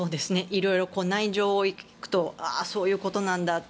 色々内情を聞くとそういうことなんだって。